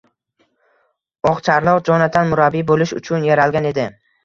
Oqcharloq Jonatan murabbiy bo‘lish uchun yaralgan edi.